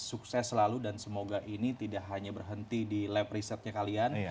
sukses selalu dan semoga ini tidak hanya berhenti di lab risetnya kalian